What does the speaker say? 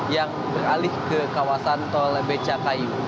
yang beralih ke kawasan tol becakayu